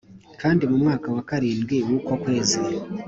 kandi mu mwaka wa karindwi wu ko kwezi